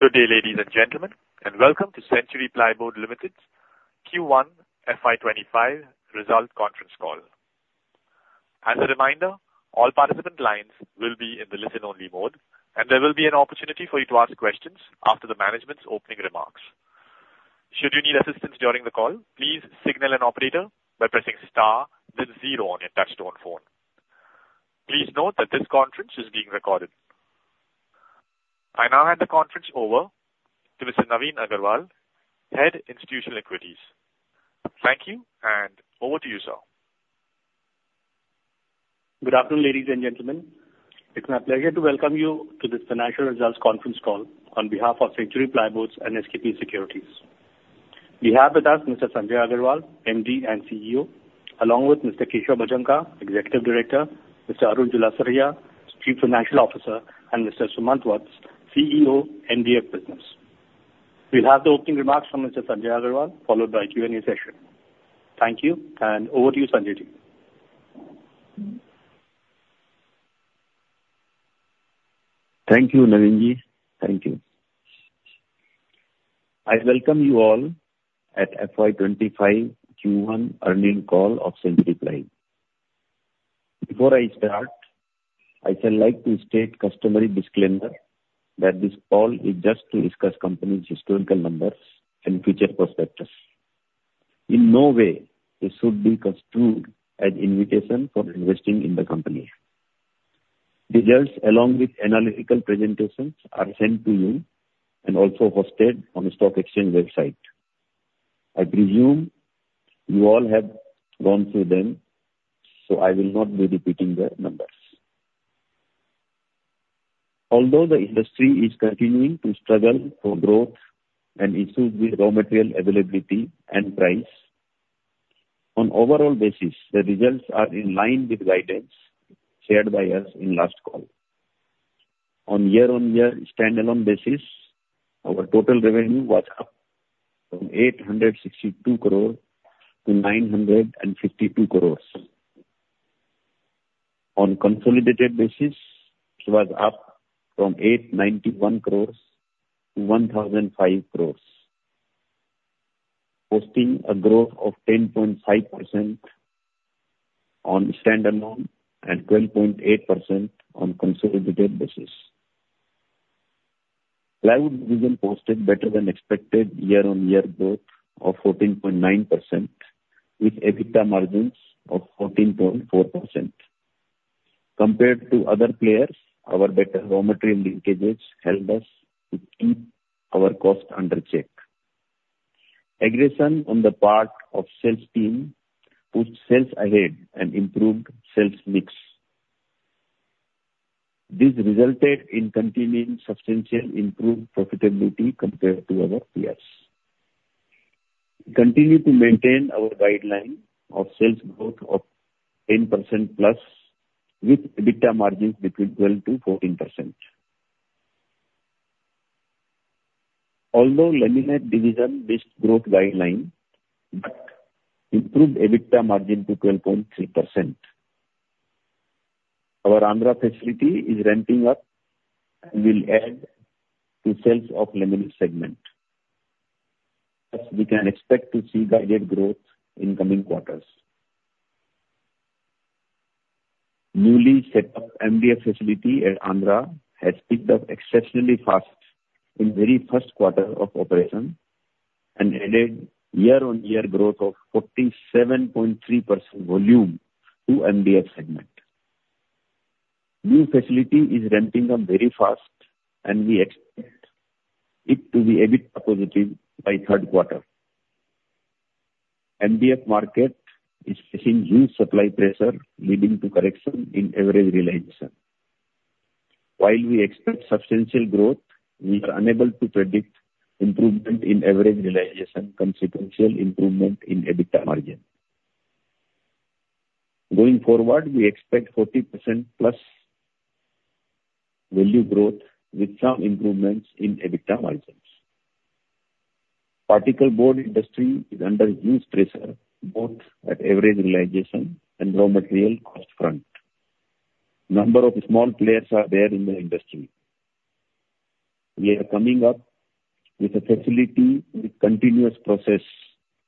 Good day, ladies and gentlemen, and welcome to Century Plyboards (India) Limited's Q1 FY 2025 result conference call. As a reminder, all participant lines will be in the listen-only mode, and there will be an opportunity for you to ask questions after the management's opening remarks. Should you need assistance during the call, please signal an operator by pressing star then zero on your touchtone phone. Please note that this conference is being recorded. I now hand the conference over to Mr. Navin Agrawal, Head, Institutional Equities. Thank you, and over to you, sir. Good afternoon, ladies and gentlemen. It's my pleasure to welcome you to this financial results conference call on behalf of Century Plyboards and SKP Securities. We have with us Mr. Sanjay Agarwal, MD and CEO, along with Mr. Keshav Bhajanka, Executive Director, Mr. Arun Julasaria, Chief Financial Officer, and Mr. Sumant Wattas, CEO, MDF Business. We'll have the opening remarks from Mr. Sanjay Agarwal, followed by Q&A session. Thank you, and over to you, Sanjay ji. Thank you, Navin ji. Thank you. I welcome you all at FY 2025 Q1 earnings call of Century Ply. Before I start, I shall like to state customary disclaimer that this call is just to discuss company's historical numbers and future perspectives. In no way it should be construed as invitation for investing in the company. Results, along with analytical presentations, are sent to you and also hosted on the stock exchange website. I presume you all have gone through them, so I will not be repeating the numbers. Although the industry is continuing to struggle for growth and issues with raw material availability and price, on overall basis, the results are in line with guidance shared by us in last call. On year-on-year standalone basis, our total revenue was up from INR 862 crore-INR 952 crore. On consolidated basis, it was up from 891 crore-1,005 crore, posting a growth of 10.5% on standalone and 12.8% on consolidated basis. Plywood division posted better than expected year-on-year growth of 14.9%, with EBITDA margins of 14.4%. Compared to other players, our better raw material linkages helped us to keep our cost under check. Aggression on the part of sales team put sales ahead and improved sales mix. This resulted in continuing substantial improved profitability compared to our peers. We continue to maintain our guideline of sales growth of 10%+, with EBITDA margins between 12%-14%. Although laminate division missed growth guideline, but improved EBITDA margin to 12.3%. Our Andhra facility is ramping up and will add to sales of laminate segment, as we can expect to see guided growth in coming quarters. Newly set up MDF facility at Andhra has picked up exceptionally fast in very first quarter of operation and added year-on-year growth of 47.3% volume to MDF segment. New facility is ramping up very fast, and we expect it to be EBIT positive by third quarter. MDF market is facing huge supply pressure, leading to correction in average realization. While we expect substantial growth, we are unable to predict improvement in average realization, consequential improvement in EBITDA margin. Going forward, we expect 40%+ value growth with some improvements in EBITDA margins. Particle board industry is under huge pressure, both at average realization and raw material cost front. Number of small players are there in the industry. We are coming up with a facility with continuous process,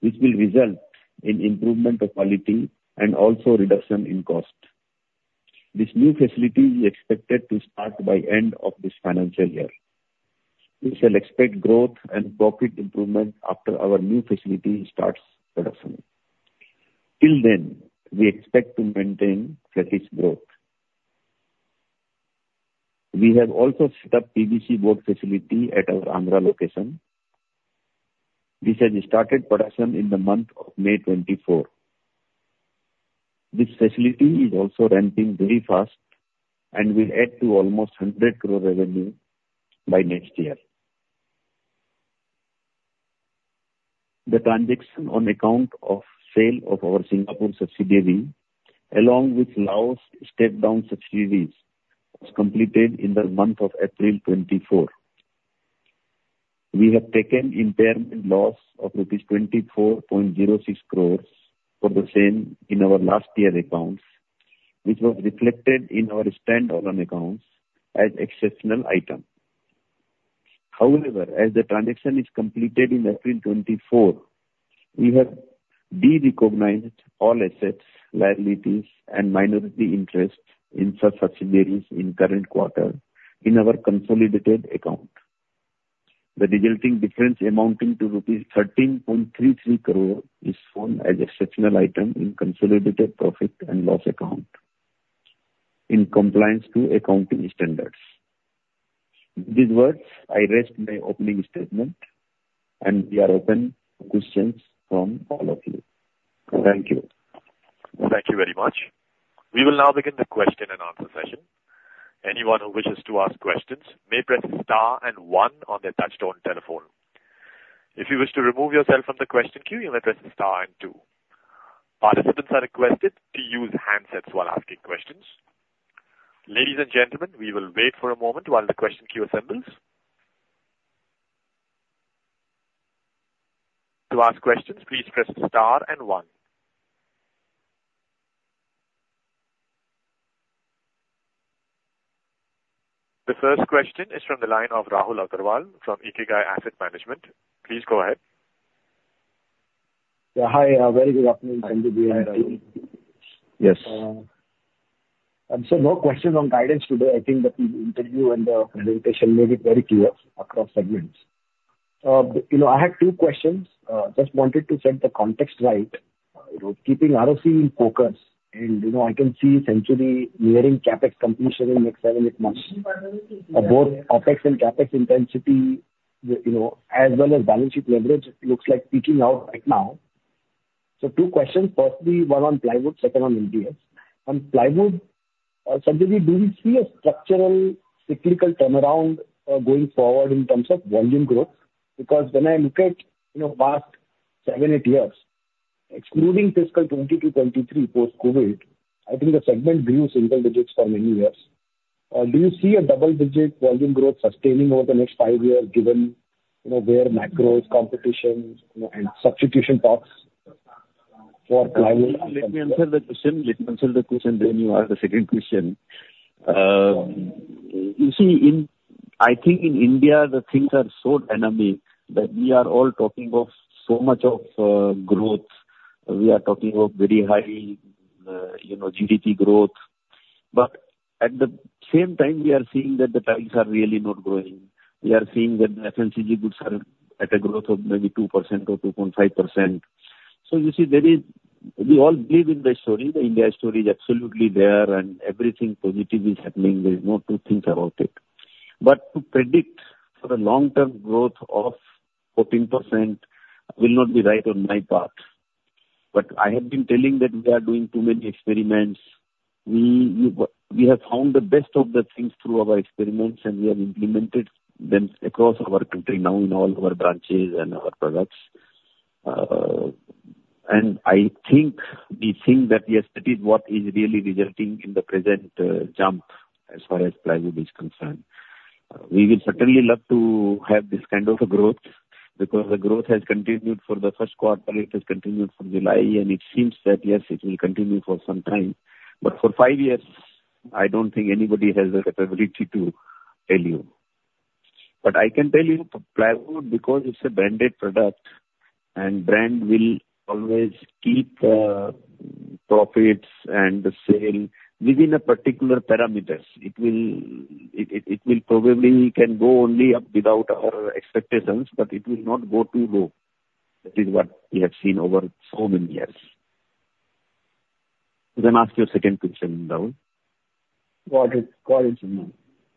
which will result in improvement of quality and also reduction in cost. This new facility we expected to start by end of this financial year. We shall expect growth and profit improvement after our new facility starts production. Till then, we expect to maintain flatish growth. We have also set up PVC board facility at our Andhra location, which has started production in the month of May 2024. This facility is also ramping very fast and will add to almost 100 crore revenue by next year. The transaction on account of sale of our Singapore subsidiary, along with Laos step-down subsidiaries, was completed in the month of April 2024. We have taken impairment loss of rupees 24.06 crore for the same in our last year accounts, which was reflected in our standalone accounts as exceptional item. However, as the transaction is completed in April 2024, we have derecognized all assets, liabilities, and minority interests in such subsidiaries in current quarter in our consolidated account. The resulting difference amounting to rupees 13.33 crore is shown as exceptional item in consolidated profit and loss account in compliance to accounting standards. With these words, I rest my opening statement, and we are open to questions from all of you. Thank you. Thank you very much. We will now begin the question and answer session. Anyone who wishes to ask questions may press star and one on their touchtone telephone. If you wish to remove yourself from the question queue, you may press star and two. Participants are requested to use handsets while asking questions. Ladies and gentlemen, we will wait for a moment while the question queue assembles. To ask questions, please press star and one. The first question is from the line of Rahul Agarwal from Ikigai Asset Management. Please go ahead. Yeah, hi, very good afternoon, Sanjay ji and team. Yes. And so no question on guidance today. I think that the interview and the presentation made it very clear across segments. You know, I had two questions. Just wanted to set the context right, you know, keeping ROC in focus. And, you know, I can see Century nearing CapEx completion in the next seven to eight months. Both OpEx and CapEx intensity, you know, as well as balance sheet leverage, looks like peaking out right now. So two questions: firstly, one on plywood, second on MDF. On plywood, Sanjay ji, do you see a structural cyclical turnaround, going forward in terms of volume growth? Because when I look at, you know, past 7-8 years, excluding fiscal 2022, 2023, post-COVID, I think the segment grew single digits for many years. Do you see a double-digit volume growth sustaining over the next five years, given, you know, where macro is, competition, you know, and substitution talks for plywood? Let me answer the question. Let me answer the question, then you ask the second question. You see, in India, I think the things are so dynamic that we are all talking of so much of growth. We are talking of very high, you know, GDP growth. But at the same time, we are seeing that the times are really not growing. We are seeing that the FMCG goods are at a growth of maybe 2% or 2.5%. So you see, there is... We all believe in the story. The India story is absolutely there, and everything positive is happening. There is no two things about it. But to predict for the long-term growth of 14% will not be right on my part. But I have been telling that we are doing too many experiments. We have found the best of the things through our experiments, and we have implemented them across our country now in all our branches and our products. And I think the thing that yes, that is what is really resulting in the present jump, as far as plywood is concerned. We will certainly love to have this kind of a growth, because the growth has continued for the first quarter, it has continued from July, and it seems that, yes, it will continue for some time. But for five years, I don't think anybody has the capability to tell you. But I can tell you, for plywood, because it's a branded product, and brand will always keep profits and the sale within a particular parameters. It will probably can go only up without our expectations, but it will not go too low. That is what we have seen over so many years. You can ask your second question, Rahul. Got it. Got it, Sanjay.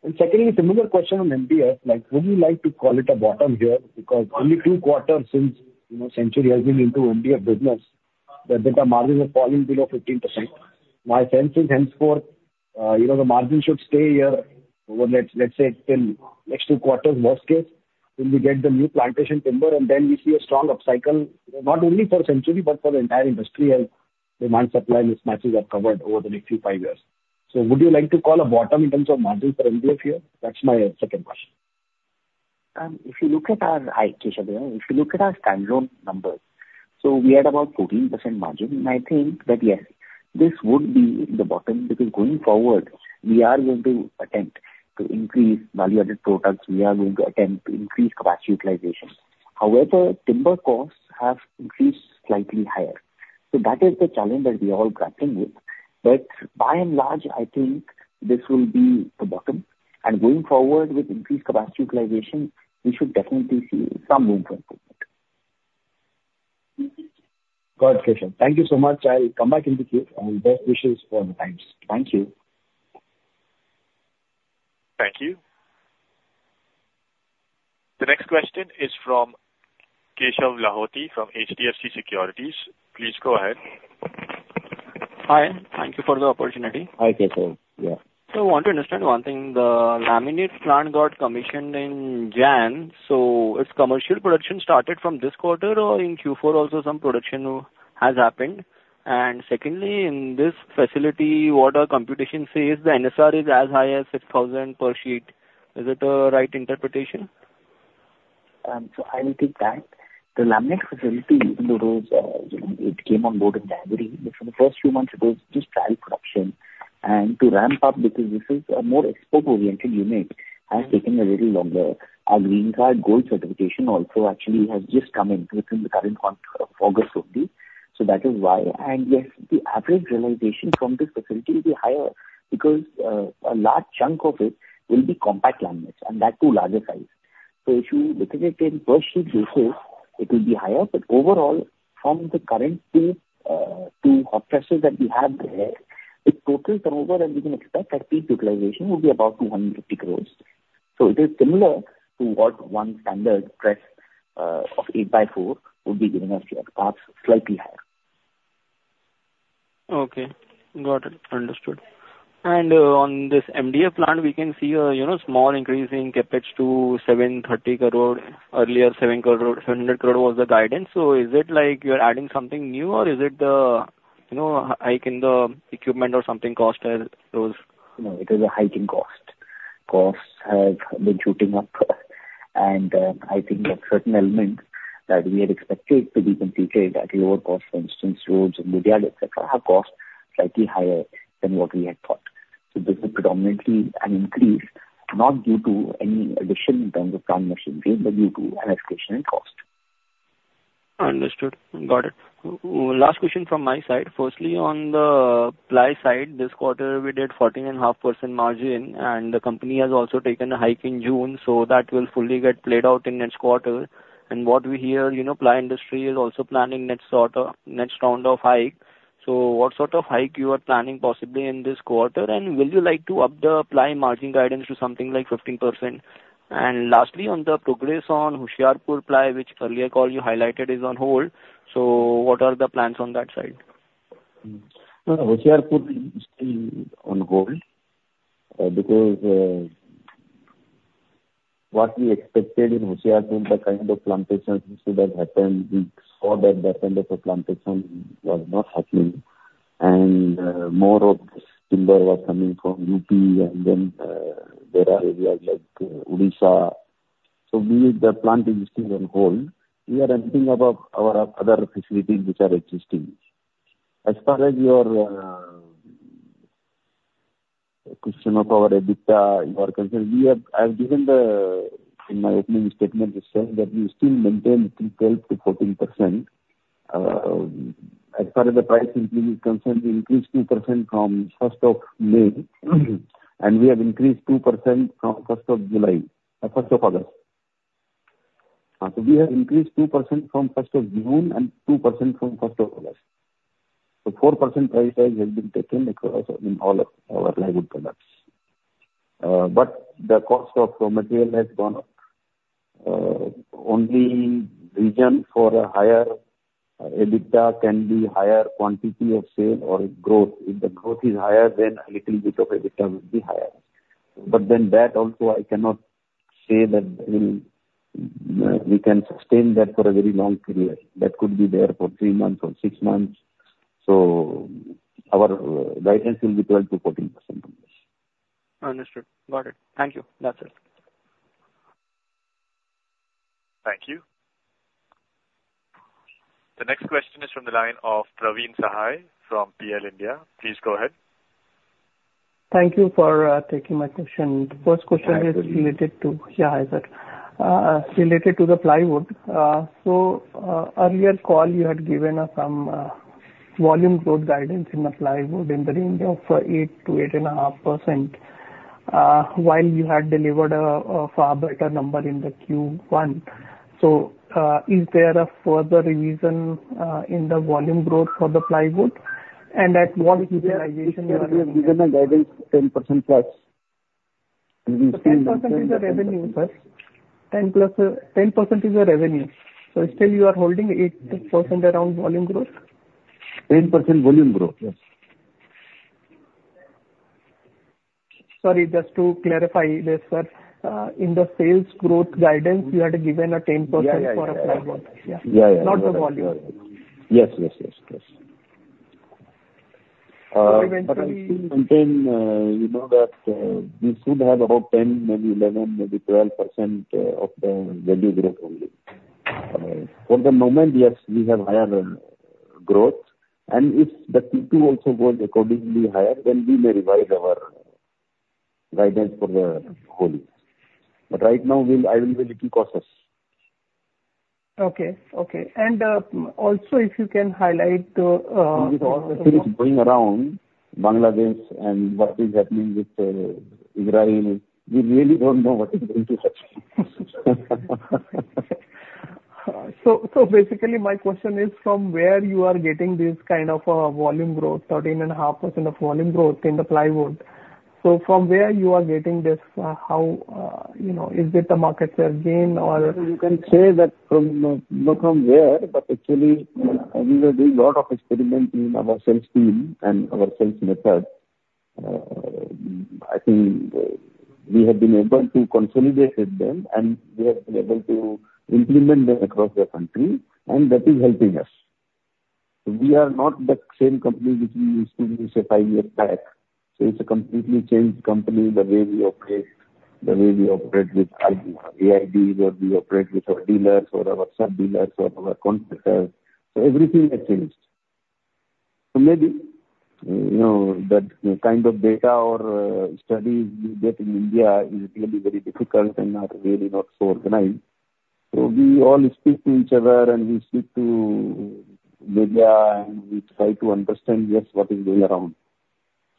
And secondly, similar question on MDF, like, would you like to call it a bottom here? Because only two quarters since, you know, Century has been into MDF business, the EBITDA margins are falling below 15%. My sense is, henceforth, you know, the margin should stay here over, let's, let's say, till next two quarters, worst case, till we get the new plantation timber, and then we see a strong upcycle, not only for Century but for the entire industry, as demand-supply mismatches are covered over the next few five years. So would you like to call a bottom in terms of margin for MDF here? That's my second question. If you look at our, hi, Keshav. If you look at our standalone numbers, so we had about 14% margin, and I think that, yes, this would be the bottom, because going forward, we are going to attempt to increase value-added products. We are going to attempt to increase capacity utilization. However, timber costs have increased slightly higher, so that is the challenge that we are all grappling with. But by and large, I think this will be the bottom. And going forward, with increased capacity utilization, we should definitely see some room for improvement. Got it, Keshav. Thank you so much. I'll come back in the queue, and best wishes for the times. Thank you. Thank you. The next question is from Keshav Lahoti, from HDFC Securities. Please go ahead. Hi. Thank you for the opportunity. Hi, Keshav. Yeah. I want to understand one thing. The laminate plant got commissioned in January, so its commercial production started from this quarter or in Q4 also some production has happened? And secondly, in this facility, what our computation says, the NSR is as high as 6,000 per sheet. Is it a right interpretation? So I will take that. The laminate facility, even though it, you know, it came on board in February, but for the first few months it was just trial production. And to ramp up, because this is a more export-oriented unit, has taken a little longer. Our Greenguard Gold Certification also actually has just come in within the current month of August only, so that is why. And yes, the average realization from this facility will be higher because, a large chunk of it will be compact laminates, and that too, larger size. So if you look at it in per sheet basis, it will be higher, but overall, from the current two hot presses that we have there, its total turnover and we can expect that peak utilization will be about 250 crore. It is similar to what one standard press of eight by four would be giving us, perhaps slightly higher. Okay. Got it. Understood. On this MDF plant, we can see a, you know, small increase in CapEx to 730 crore. Earlier, 700 crore was the guidance. So is it like you're adding something new, or is it the, you know, hike in the equipment or something cost has rose? No, it is a hike in cost. Costs have been shooting up, and, I think that certain elements that we had expected to be completed at lower cost, for instance, roads and material, et cetera, have cost slightly higher than what we had thought. So this is predominantly an increase, not due to any addition in terms of plant machinery, but due to an escalation in cost. Understood. Got it. Last question from my side. Firstly, on the ply side, this quarter we did 14.5% margin, and the company has also taken a hike in June, so that will fully get played out in next quarter. And what we hear, you know, ply industry is also planning next quarter, next round of hike. So what sort of hike you are planning possibly in this quarter? And will you like to up the ply margin guidance to something like 15%? And lastly, on the progress on Hoshiarpur ply, which earlier call you highlighted is on hold, so what are the plans on that side? No, Hoshiarpur is still on hold, because what we expected in Hoshiarpur, the kind of plantations which should have happened, we saw that that kind of a plantation was not happening, and more of this timber was coming from UP and then other areas like Odisha. So we, the planting is still on hold. We are thinking about our other facilities which are existing. As far as your question of our EBITDA is concerned, we have—I've given the in my opening statement itself, that we still maintain between 12%-14%. As far as the price increase is concerned, we increased 2% from May 1st, and we have increased 2% from July 1st, August 1st. So we have increased 2% from June 1st and 2% from August 1st. So 4% price rise has been taken across in all of our plywood products. But the cost of raw material has gone up. Only reason for a higher EBITDA can be higher quantity of sale or growth. If the growth is higher, then a little bit of EBITDA will be higher. But then that also, I cannot say that, we can sustain that for a very long period. That could be there for 3 months or 6 months. So our, guidance will be 12%-14% from this. Understood. Got it. Thank you. That's it. Thank you. The next question is from the line of Praveen Sahay from PL India. Please go ahead. Thank you for taking my question. Thank you. The first question is related to plywood. Yeah, hi, sir. Related to the plywood. So, earlier call, you had given us some volume growth guidance in the plywood in the range of 8%-8.5%, while you had delivered a far better number in the Q1. Is there a further revision in the volume growth for the plywood? And at what utilization you are- We have given a guidance 10% plus. So 10% is a revenue, first. 10 plus 10% is a revenue. So still you are holding 8% around volume growth? 10% volume growth, yes. Sorry, just to clarify this, sir. In the sales growth guidance, you had given a 10%- Yeah, yeah, yeah. -for plywood. Yeah. Yeah, yeah. Not the volume. Yes, yes, yes, yes. Uh, eventually- But I still maintain, you know, that we should have about 10%, maybe 11%, maybe 12% of the value growth only. For the moment, yes, we have higher than growth, and if the Q2 also goes accordingly higher, then we may revise our guidance for the whole year. But right now, we'll, I will be little cautious. Okay. Okay. And, also, if you can highlight, With all the things going around, Bangladesh and what is happening with Iran, we really don't know what is going to happen. So, so basically my question is: From where you are getting this kind of, volume growth, 13.5% volume growth in the plywood? So from where you are getting this, how, you know, is it a market share gain or? You can say that from, not from where, but actually, we were doing a lot of experiment in our sales team and our sales method. I think, we have been able to consolidated them, and we have been able to implement them across the country, and that is helping us. We are not the same company which we used to be, say, five years back. So it's a completely changed company, the way we operate, the way we operate with ID, AID, or we operate with our dealers or our sub-dealers or our contractors. So everything has changed. So maybe, you know, that kind of data or, studies you get in India is really very difficult and not really not so organized. So we all speak to each other, and we speak to media, and we try to understand, yes, what is going around.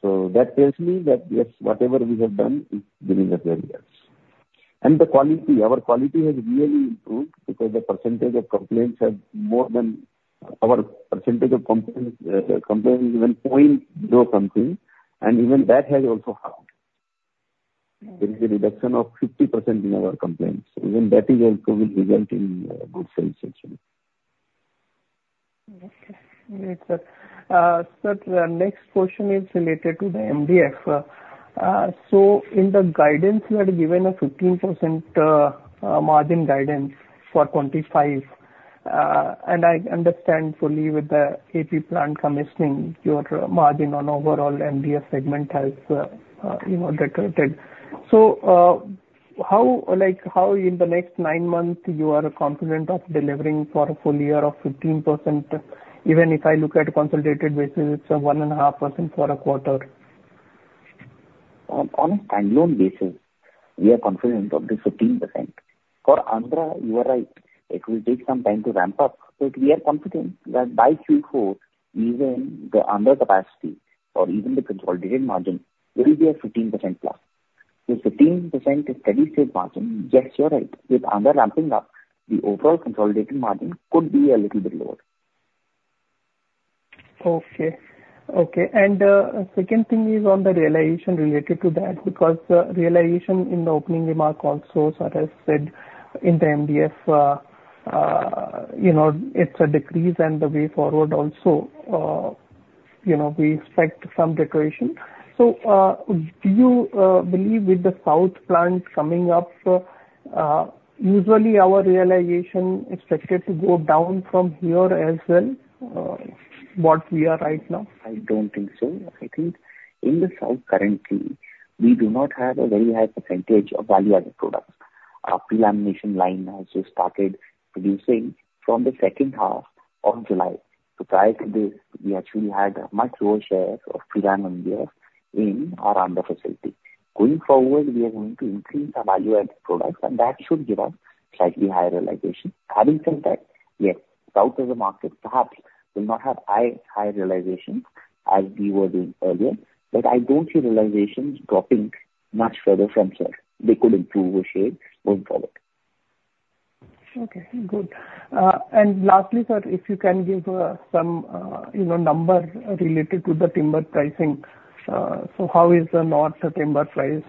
So that tells me that, yes, whatever we have done is giving us very results. And the quality, our quality has really improved because the percentage of complaints has more than—our percentage of complaints, complaints, even point zero something, and even that has also helped. There is a reduction of 50% in our complaints, even that is also will result in, good sales actually. Okay. Great, sir. Sir, the next question is related to the MDF. So in the guidance, you had given a 15% margin guidance for 2025. And I understand fully with the AP plant commissioning, your margin on overall MDF segment has, you know, decreased. So, how, like, how in the next 9 months you are confident of delivering for a full year of 15%? Even if I look at consolidated basis, it's 1.5% for a quarter. On a standalone basis, we are confident of the 15%. For Andhra, you are right, it will take some time to ramp up. But we are confident that by Q4, even the Andhra capacity or even the consolidated margin will be a 15%+. The 15% is steady state margin. Yes, you're right, with Andhra ramping up, the overall consolidated margin could be a little bit lower. Okay. Okay, and second thing is on the realization related to that, because the realization in the opening remark also, sir, has said in the MDF, you know, it's a decrease and the way forward also, you know, we expect some decoration. So, do you believe with the South plant coming up, usually our realization expected to go down from here as well, what we are right now? I don't think so. I think in the South currently, we do not have a very high percentage of value-added products. Our lamination line also started producing from the second half of July. So prior to this, we actually had a much lower share of pre-laminated MDF in our Andhra facility. Going forward, we are going to increase our value-added products, and that should give us slightly higher realization. Having said that, yes, South as a market perhaps will not have high, high realization as we were doing earlier, but I don't see realizations dropping much further from here. They could improve a shade going forward. Okay, good. And lastly, sir, if you can give some you know number related to the timber pricing. So how is the North timber price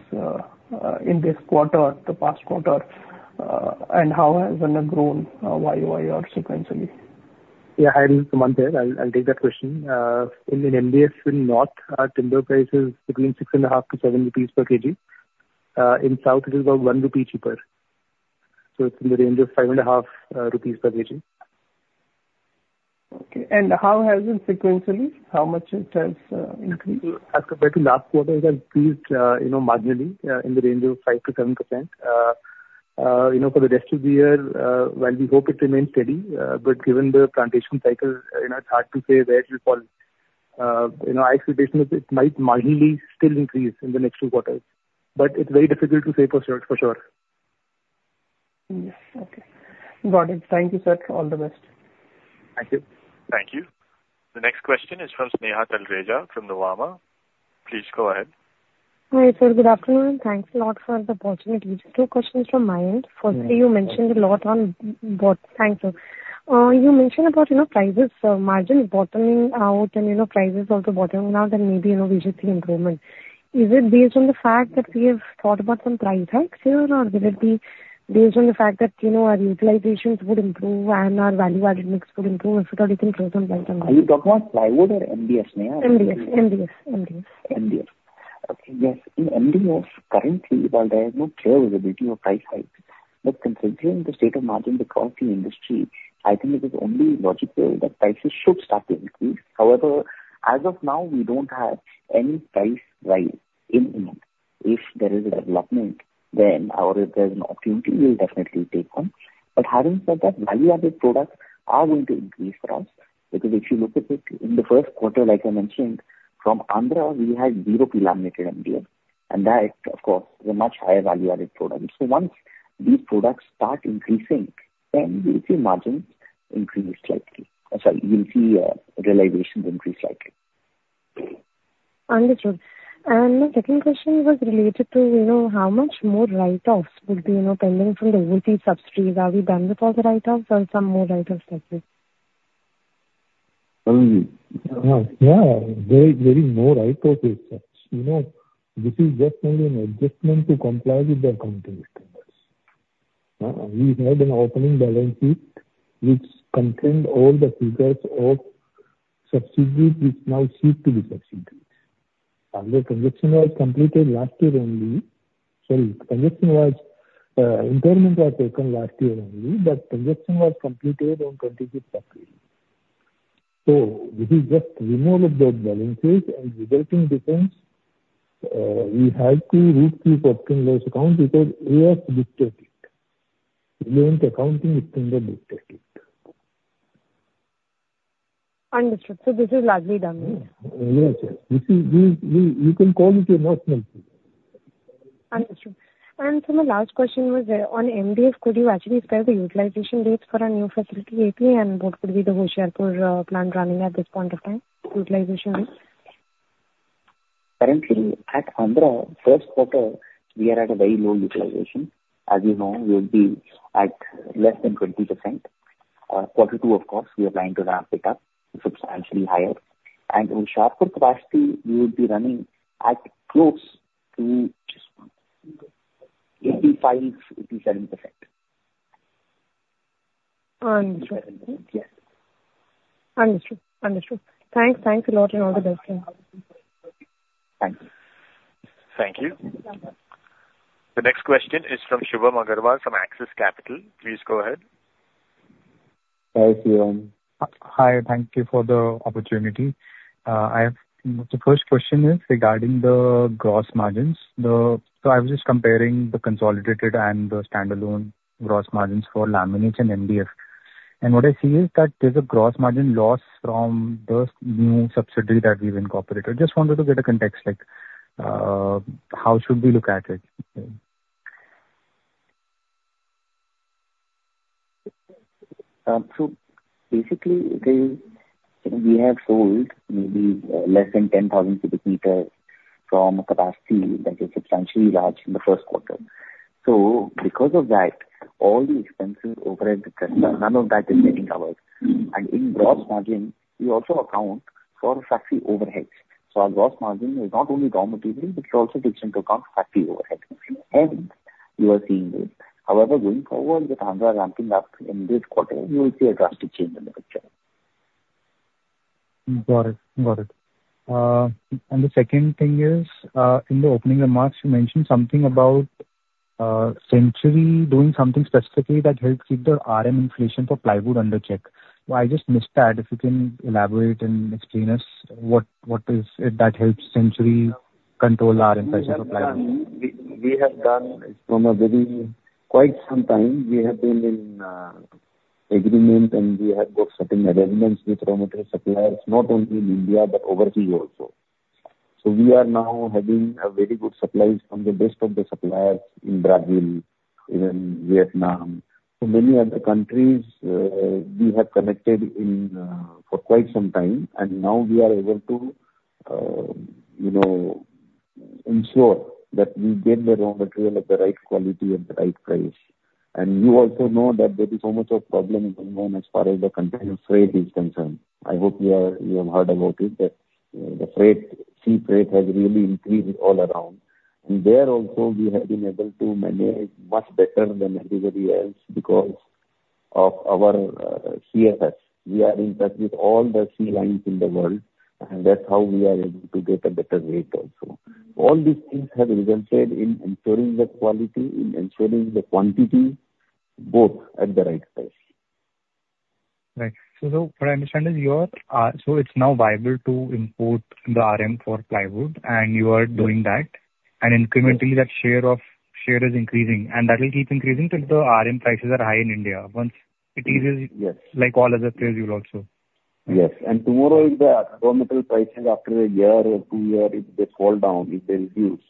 in this quarter, the past quarter? And how has it grown year-over-year or sequentially? Yeah, hi, this is Sumant here. I'll take that question. In MDF in North, our timber price is between 6.5- 7 rupees per kg. In South, it is about 1 rupee cheaper, so it's in the range of 5.5 rupees per kg. Okay, and how has it sequentially? How much it has increased? As compared to last quarter, it has increased, you know, marginally, in the range of 5%-7%. You know, for the rest of the year, well, we hope it remains steady, but given the plantation cycle, you know, it's hard to say where it will fall. You know, our expectation is it might marginally still increase in the next two quarters, but it's very difficult to say for sure, for sure. Yes. Okay. Got it. Thank you, sir. All the best. Thank you. Thank you. The next question is from Sneha Talreja from Nuvama. Please go ahead. Hi, sir. Good afternoon, and thanks a lot for the opportunity. Just two questions from my end. Firstly, you mentioned a lot on board. Thank you. You mentioned about, you know, prices, margin bottoming out, and, you know, prices also bottoming out, and maybe, you know, we should see improvement. Is it based on the fact that we have thought about some price hikes here, or will it be based on the fact that, you know, our utilizations would improve and our value-added mix would improve, so that we can focus on price? Are you talking about plywood or MDF, Sneha? MDF, MDF, MDF. MDF. Okay. Yes, in MDF, currently, while there is no clear visibility of price hikes, but considering the state of margin across the industry, I think it is only logical that prices should start to increase. However, as of now, we don't have any price rise in mind. If there is a development, then or if there's an opportunity, we'll definitely take one. But having said that, value-added products are going to increase for us, because if you look at it, in the first quarter, like I mentioned, from Andhra, we had 0 pre-laminated MDF, and that, of course, is a much higher value-added product. So once these products start increasing, then we'll see margins increase slightly. You'll see realizations increase slightly. Understood. My second question was related to, you know, how much more write-offs would be, you know, pending from the overseas subsidiaries. Are we done with all the write-offs or some more write-offs left with? Yeah, there is more write-offs as such. You know, this is just only an adjustment to comply with the accounting standards. We had an opening balance sheet which contained all the figures of subsidiaries, which now seem to be subsidiaries. And the conversion was completed last year only. Sorry, conversion was, impairment was taken last year only, but conversion was completed on February 25th. So this is just removal of the balances, and resulting difference, we had to reach the profit and loss account because we have to take it. We own the accounting, it in the booktake it. Understood. So this is lastly done? Yes. This is, you can call it a not mentioned. Understood. And so my last question was on MDF. Could you actually describe the utilization rates for our new facility at AP, and what would be the Hoshiarpur plant running at this point of time, utilization? Currently, at Andhra, first quarter, we are at a very low utilization. As you know, we will be at less than 20%. Quarter two, of course, we are trying to ramp it up substantially higher. In Hoshiarpur capacity, we would be running at close to just 85%-87%. Understood. Yeah. Understood. Understood. Thanks. Thanks a lot, and all the best. Thank you. Thank you. The next question is from Shubham Agarwal, from Axis Capital. Please go ahead. Hi, Shubham. Hi, thank you for the opportunity. The first question is regarding the gross margins. So I was just comparing the consolidated and the standalone gross margins for laminates and MDF. And what I see is that there's a gross margin loss from the new subsidiary that we've incorporated. Just wanted to get a context, like, how should we look at it? So basically, we have sold maybe less than 10,000 cubic meters from a capacity that is substantially large in the first quarter. So because of that, all the expenses, overhead, none of that is getting covered. Mm-hmm. And in gross margin, we also account for factory overheads. So our gross margin is not only raw material, but you also take into account factory overhead, and you are seeing this. However, going forward, with Andhra ramping up in this quarter, you will see a drastic change in the picture. Got it. Got it. And the second thing is, in the opening remarks, you mentioned something about, Century doing something specifically that helps keep the RM inflation for plywood under check. Well, I just missed that. If you can elaborate and explain us what, what is it that helps Century control RM inflation for plywood? We have done from a very quite some time, we have been in agreement, and we have got certain agreements with raw material suppliers, not only in India, but overseas also. So we are now having a very good supplies from the best of the suppliers in Brazil, in Vietnam. So many other countries, we have connected in for quite some time, and now we are able to, you know, ensure that we get the raw material at the right quality, at the right price. And you also know that there is so much of problem going on as far as the container freight is concerned. I hope you have heard about it, that the freight, sea freight has really increased all around. And there also, we have been able to manage much better than anybody else because of our CFS. We are in touch with all the sea lines in the world, and that's how we are able to get a better rate also. All these things have resulted in ensuring the quality, in ensuring the quantity, both at the right price. Right. So, what I understand is you're so it's now viable to import the RM for plywood, and you are doing that, and incrementally that share of... share is increasing, and that will keep increasing till the RM prices are high in India. Once it eases- Yes. like all other players will also. Yes, and tomorrow, if the raw material prices after a year or two year, if they fall down, if they reduce,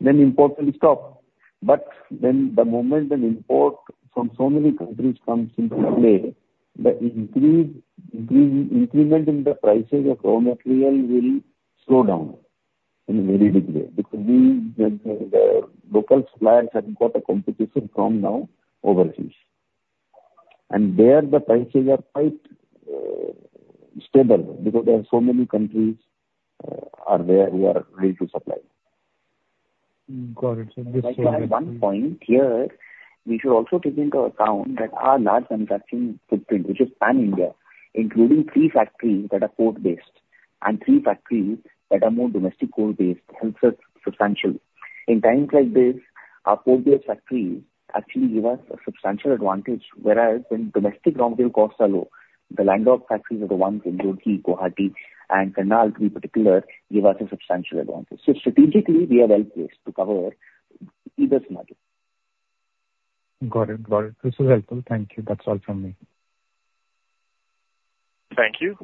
then import will stop. But then the moment an import from so many countries comes into play, the increase, increase, increment in the prices of raw material will slow down in a very degree. Because we, the local suppliers have got a competition from now overseas. And there, the prices are quite stable because there are so many countries are there who are ready to supply. Got it. One point here, we should also take into account that our large manufacturing footprint, which is pan-India, including three factories that are port-based, and three factories that are more domestic coal-based, helps us substantially. In times like this, our port-based factories actually give us a substantial advantage, whereas when domestic raw material costs are low, the landlocked factories are the ones in Hoshiarpur, Guwahati, and Karnal, in particular, give us a substantial advantage. So strategically, we are well placed to cover either scenario. Got it. Got it. This is helpful. Thank you. That's all from me. Thank you.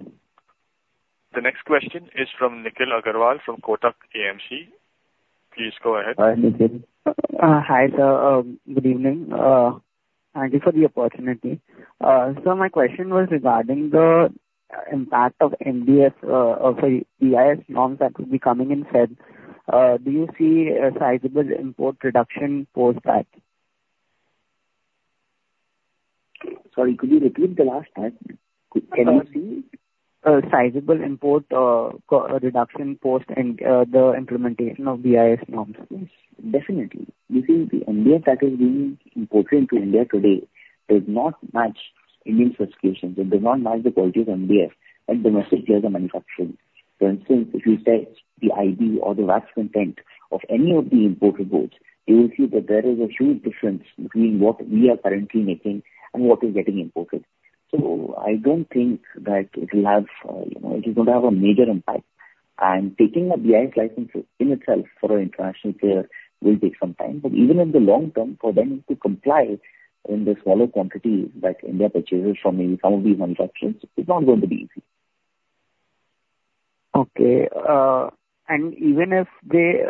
The next question is from Nikhil Agarwal, from Kotak AMC. Please go ahead. Hi, Nikhil. Hi, sir. Good evening. Thank you for the opportunity. So my question was regarding the impact of MDF, sorry, BIS norms that will be coming in plywood. Do you see a sizable import reduction post that? Sorry, could you repeat the last part? Can you see- Sizable import reduction post the implementation of BIS norms. Yes, definitely. You see, the MDF that is being imported into India today does not match Indian specifications, it does not match the quality of MDF that domestic players are manufacturing. For instance, if you test the IB or the wax content of any of the imported boards, you will see that there is a huge difference between what we are currently making and what is getting imported. So I don't think that it will have, you know, it is going to have a major impact. And taking a BIS license in itself for an international player will take some time, but even in the long term, for them to comply in the smaller quantity that India purchases from maybe some of these manufacturers, is not going to be easy. Okay, and even if they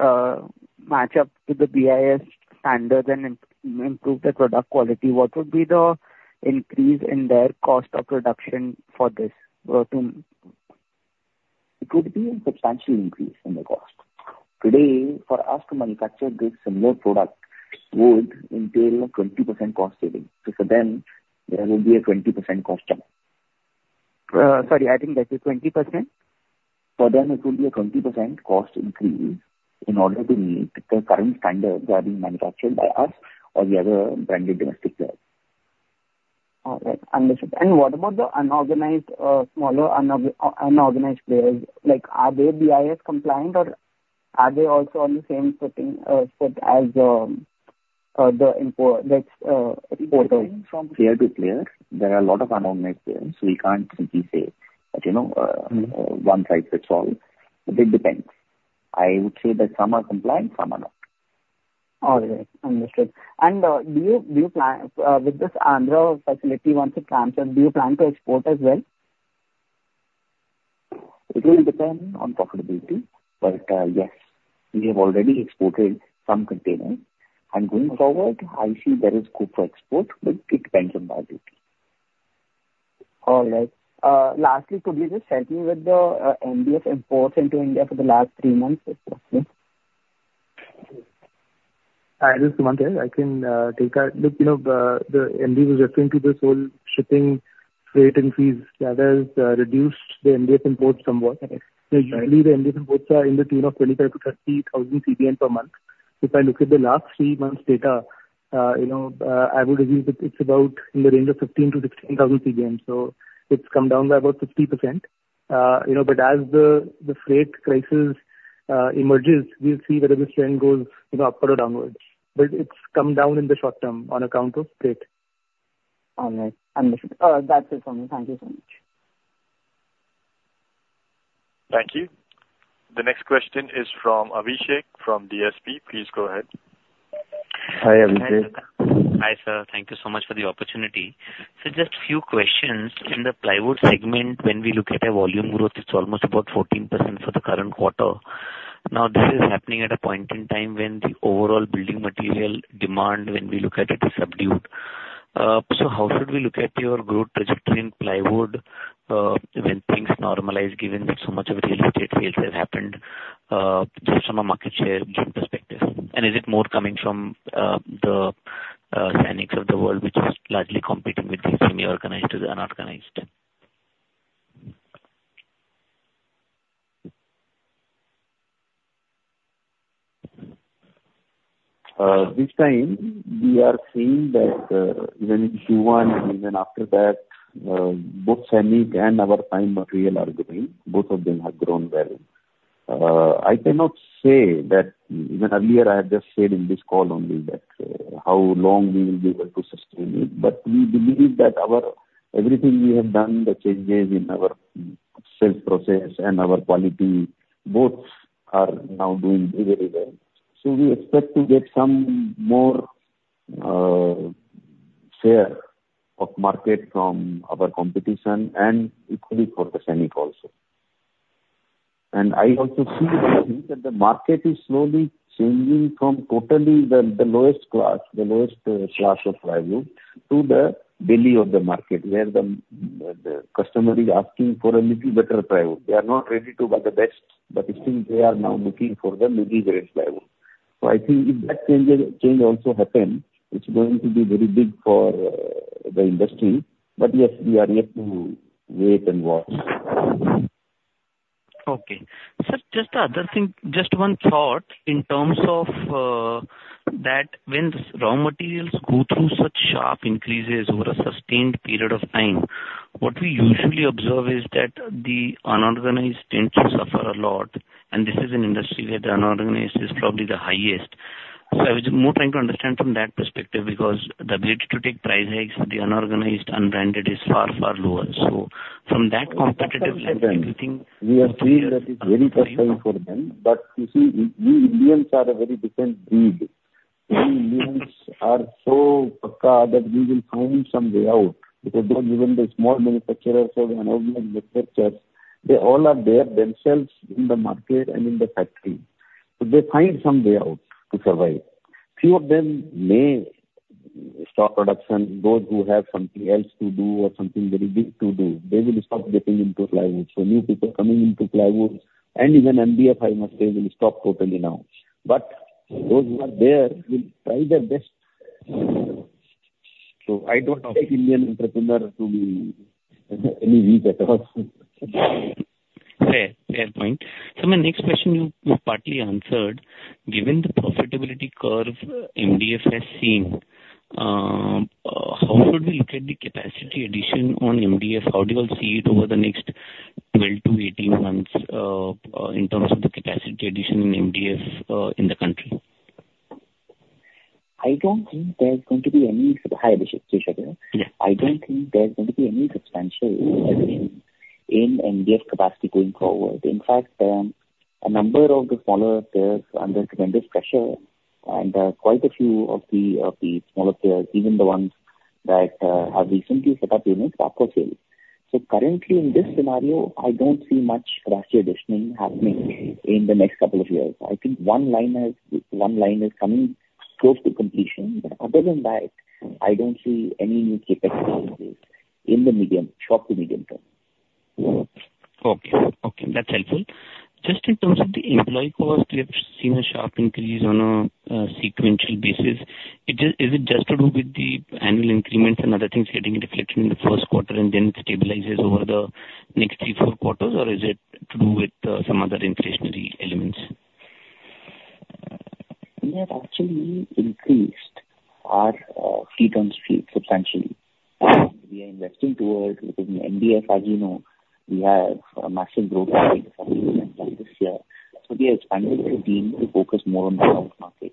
match up to the BIS standards and improve the product quality, what would be the increase in their cost of production for this, to? It would be a substantial increase in the cost. Today, for us to manufacture this similar product would entail a 20% cost saving, so for them, there will be a 20% cost jump. Sorry, I think that is 20%? For them, it will be a 20% cost increase in order to meet the current standards that are being manufactured by us or the other branded domestic players. All right, understood. What about the unorganized, smaller unorganized players? Like, are they BIS compliant, or are they also on the same setting, set as the importer? It depends from player to player. There are a lot of unorganized players, so we can't simply say that, you know. Mm-hmm. one size fits all. It depends. I would say that some are compliant, some are not. All right. Understood. And, do you plan with this Andhra facility once it ramps up, do you plan to export as well? It will depend on profitability, but, yes, we have already exported some containers. Going forward, I see there is scope for export, but it depends on viability. All right. Lastly, could you just help me with the MDF imports into India for the last three months approximately? Hi, this is Sumant here. I can take that. Look, you know, the MDF referring to this whole shipping freight and fees that has reduced the MDF imports somewhat. So usually, the MDF imports are in the tune of 25,000-30,000 CBM per month. If I look at the last three months' data, you know, I would agree that it's about in the range of 15,000-16,000 CBM. So it's come down by about 50%. You know, but as the freight crisis emerges, we'll see whether this trend goes, you know, upward or downwards. But it's come down in the short term on account of freight. All right. Understood. That's it from me. Thank you so much. Thank you. The next question is from Abhishek from DSP. Please go ahead. Hi, Abhishek. Hi, sir. Thank you so much for the opportunity. Just few questions. In the plywood segment, when we look at a volume growth, it's almost about 14% for the current quarter. Now, this is happening at a point in time when the overall building material demand, when we look at it, is subdued. So how should we look at your growth trajectory in plywood, when things normalize, given that so much of real estate sales has happened, just from a market share gain perspective? And is it more coming from the Sainiks of the world, which is largely competing with the semi-organized to the unorganized? This time we are seeing that, even in Q1 and even after that, both Sainik and our prime material are growing. Both of them have grown well. I cannot say that... Even earlier, I have just said in this call only that, how long we will be able to sustain it, but we believe that our everything we have done, the changes in our sales process and our quality, both are now doing very well. So we expect to get some more share of market from our competition and equally for the Sainik also. And I also see that the market is slowly changing from totally the lowest class, the lowest class of plywood to the value of the market, where the customer is asking for a little better plywood. They are not ready to buy the best, but it seems they are now looking for the middle range plywood. So I think if that changes, change also happen, it's going to be very big for the industry. But yes, we are yet to wait and watch. Okay. Sir, just the other thing, just one thought in terms of, that when raw materials go through such sharp increases over a sustained period of time, what we usually observe is that the unorganized tend to suffer a lot, and this is an industry where the unorganized is probably the highest. So I was more trying to understand from that perspective, because the ability to take price hikes with the unorganized, unbranded, is far, far lower. So from that competitive lens, do you think- We are seeing that it's very difficult for them, but you see, we Indians are a very different breed. We Indians are so pakka that we will find some way out, because even the small manufacturers or the unorganized manufacturers, they all are there themselves in the market and in the factory, so they find some way out to survive. Few of them may stop production, those who have something else to do or something very big to do, they will stop getting into plywood. So new people coming into plywood and even MDF, I must say, will stop totally now. But those who are there will try their best. So I don't take Indian entrepreneur to be any weak at first. Fair, fair point. So my next question you partly answered. Given the profitability curve MDF has seen, how should we look at the capacity addition on MDF? How do you all see it over the next 12-18 months, in terms of the capacity addition in MDF, in the country? I don't think there's going to be any. Hi, Abhishek. Keshav here. Yeah. I don't think there's going to be any substantial increase in MDF capacity going forward. In fact, a number of the smaller players are under tremendous pressure, and quite a few of the smaller players, even the ones that have recently set up units are up for sale. So currently, in this scenario, I don't see much capacity addition happening in the next couple of years. I think one line is coming close to completion, but other than that, I don't see any new CapEx in the medium, short to medium term. Okay. Okay, that's helpful. Just in terms of the employee cost, we have seen a sharp increase on a sequential basis. Is it, is it just to do with the annual increments and other things getting reflected in the first quarter and then stabilizes over the next three, four quarters? Or is it to do with some other inflationary elements? We have actually increased our substantially. We are investing towards within MDF. As you know, we have a massive growth this year, so we are expanding our team to focus more on the south market.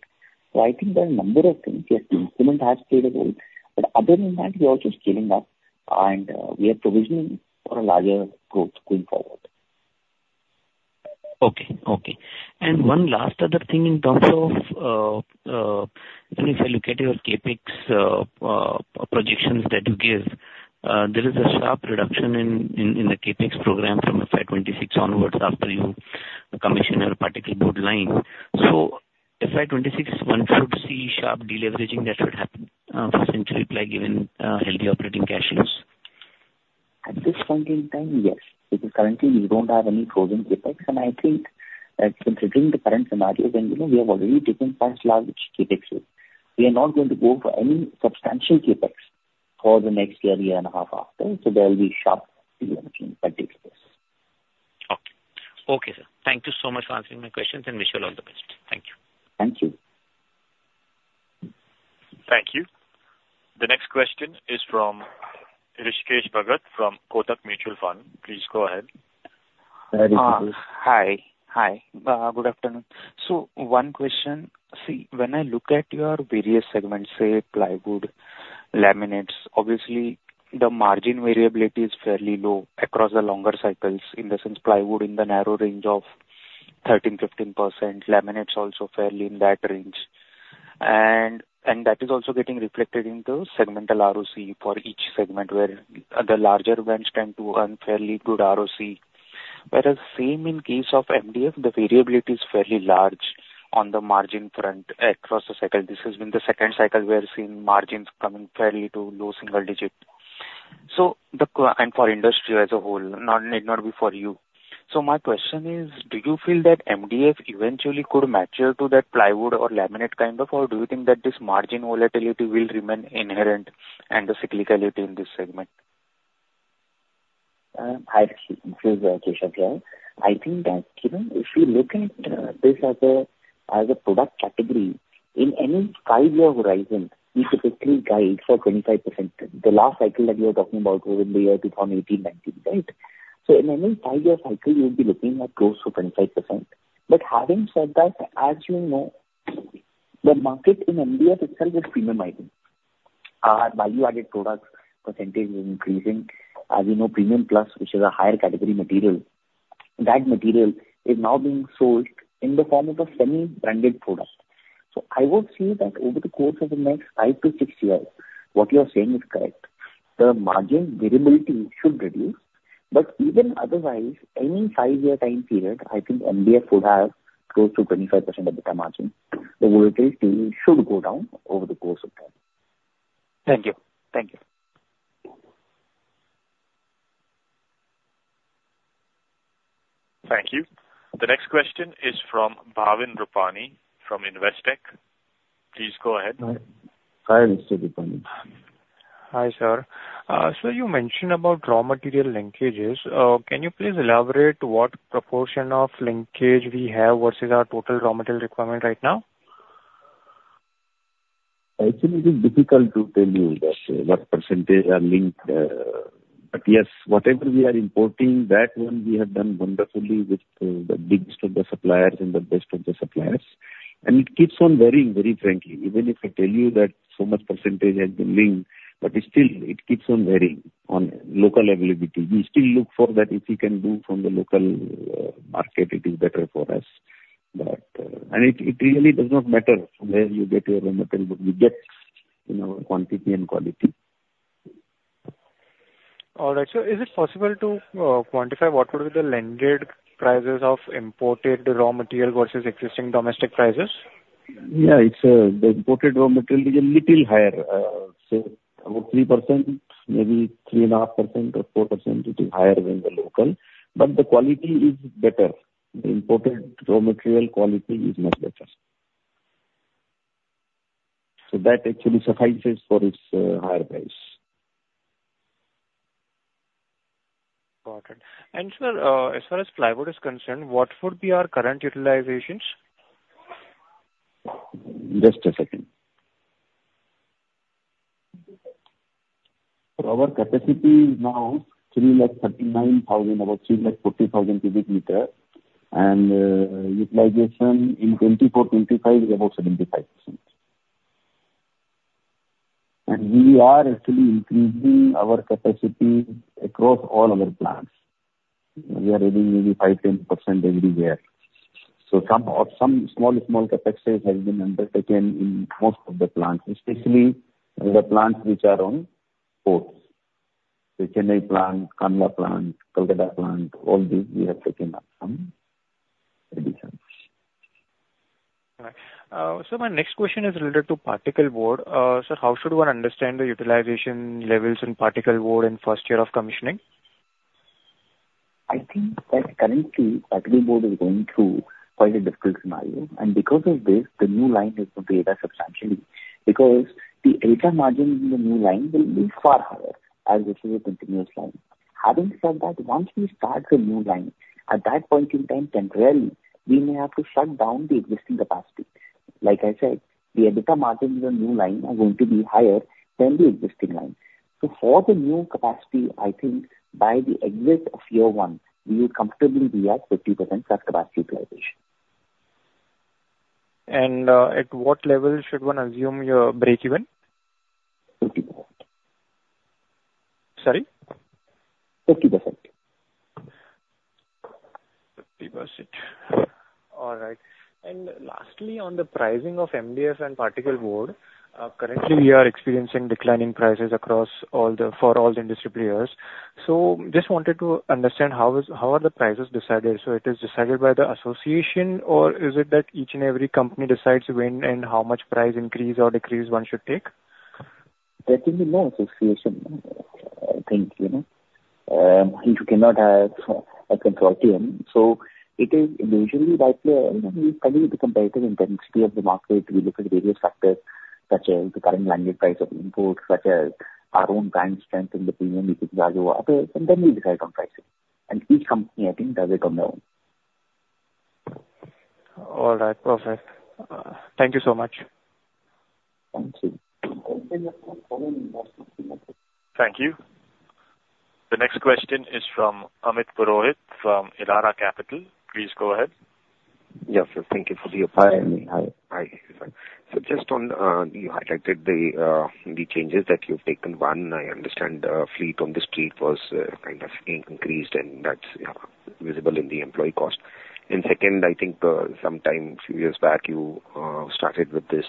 So I think there are a number of things. Yes, improvement has played a role, but other than that, we are also scaling up, and we are provisioning for a larger growth going forward. Okay. Okay. And one last other thing in terms of, I mean, if I look at your CapEx projections that you give, there is a sharp reduction in the CapEx program from FY 2026 onwards after you commission your particle board line. So FY 2026, one should see sharp deleveraging that should happen, for Century Ply, given healthy operating cash flows. At this point in time, yes, because currently we don't have any frozen CapEx, and I think that considering the current scenario, when, you know, we have already taken quite large CapEx hit, we are not going to go for any substantial CapEx for the next year, year and a half after. So there will be sharp decline in CapEx. Okay. Okay, sir. Thank you so much for answering my questions, and wish you all the best. Thank you. Thank you. Thank you. The next question is from Hrishikesh Bhagat, from Kotak Mahindra Mutual Fund. Please go ahead. Hi, Hrishikesh. Hi, hi. Good afternoon. So one question: see, when I look at your various segments, say, plywood, laminates, obviously the margin variability is fairly low across the longer cycles, in the sense plywood in the narrow range of 13%-15%. Laminates also fairly in that range. And that is also getting reflected in the segmental ROC for each segment, where the larger ones tend to earn fairly good ROC. Whereas same in case of MDF, the variability is fairly large on the margin front across the cycle. This has been the second cycle we are seeing margins coming fairly to low single digit. And for industry as a whole, not, need not be for you. So my question is: do you feel that MDF eventually could mature to that plywood or laminate kind of? Or do you think that this margin volatility will remain inherent and the cyclicality in this segment? Hi, Hrishikesh. This is Keshav here. I think that, you know, if you look at this as a product category, in any five-year horizon, we typically guide for 25%. The last cycle that we were talking about was in the year 2018, 2019, right? So in any five-year cycle, you'll be looking at close to 25%. But having said that, as you know, the market in MDF itself is premiumizing. Our value-added products percentage is increasing. As you know, Premium Plus, which is a higher category material, that material is now being sold in the form of a semi-branded product. So I would say that over the course of the next five to six years, what you are saying is correct. The margin variability should reduce, but even otherwise, any five-year time period, I think MDF would have close to 25% EBITDA margin. The volatility should go down over the course of time. Thank you. Thank you. Thank you. The next question is from Bhavin Rupani from Investec. Please go ahead. Hi, Mr. Rupani. Hi, sir. So you mentioned about raw material linkages. Can you please elaborate what proportion of linkage we have versus our total raw material requirement right now? Actually, it is difficult to tell you that, what percentage are linked, but yes, whatever we are importing, that one we have done wonderfully with, the biggest of the suppliers and the best of the suppliers. And it keeps on varying, very frankly. Even if I tell you that so much percentage has been linked, but it still, it keeps on varying on local availability. We still look for that. If we can do from the local, market, it is better for us. But... And it, it really does not matter where you get your raw material, but you get, you know, quantity and quality. All right. So is it possible to quantify what would be the landed prices of imported raw material versus existing domestic prices? Yeah, it's the imported raw material is a little higher. So about 3%, maybe 3.5% or 4%, it is higher than the local, but the quality is better. The imported raw material quality is much better. So that actually suffices for its higher price. Got it. And sir, as far as plywood is concerned, what would be our current utilizations? Just a second. So our capacity is now 339,000, about 340,000 cubic meters. And utilization in 2024-2025 is about 75%. And we are actually increasing our capacity across all our plants. We are adding maybe 5%-10% everywhere. So some of, some small, small capacities has been undertaken in most of the plants, especially the plants which are on ports. The Chennai plant, Kandla plant, Kolkata plant, all these we have taken up some additions. Right. So my next question is related to particle board. Sir, how should one understand the utilization levels in particle board in first year of commissioning? I think that currently, particle board is going through quite a difficult scenario, and because of this, the new line is prepared substantially. Because the EBITDA margin in the new line will be far higher, as this is a continuous line. Having said that, once we start the new line, at that point in time, temporarily, we may have to shut down the existing capacity. Like I said, the EBITDA margin in the new line are going to be higher than the existing line. So for the new capacity, I think by the end of year one, we will comfortably be at 50%+ capacity utilization. At what level should one assume your breakeven? Fifty percent. Sorry? Fifty percent. 50%. All right. And lastly, on the pricing of MDF and particle board, currently we are experiencing declining prices across all the, for all the industry players. So just wanted to understand how is, how are the prices decided? So it is decided by the association, or is it that each and every company decides when and how much price increase or decrease one should take? That will be no association, I think, you know. You cannot have a consortium, so it is usually by player. I mean, we study the competitive intensity of the market. We look at various factors, such as the current landed price of imports, such as our own brand strength and the premium we could charge over, and then we decide on pricing. And each company, I think, does it on their own. All right, perfect. Thank you so much. Thank you. Thank you. The next question is from Amit Purohit, from Elara Capital. Please go ahead. Yeah, sir, thank you for the opportunity. Hi, Amit. Hi. Hi. So just on, you highlighted the, the changes that you've taken. One, I understand the, fleet on the street was, kind of increased, and that's, yeah, visible in the employee cost. And second, I think, sometime few years back, you, started with this,